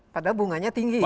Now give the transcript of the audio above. padahal bunganya tinggi kan